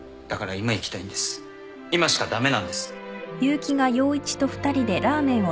今しか駄目なんです